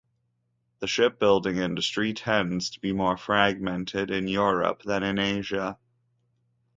The shipbuilding industry tends to be more fragmented in Europe than in Asia.